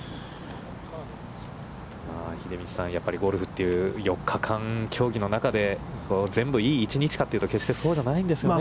秀道さん、やっぱりゴルフという４日間競技の中で、全部、いい一日かというと、決して、そうじゃないんですね。